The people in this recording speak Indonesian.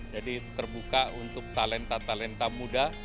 jadi terbuka untuk talenta talenta muda